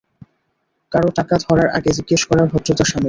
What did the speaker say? কারো টাকা ধরার আগে জিজ্ঞেস করা ভদ্রতার শামিল।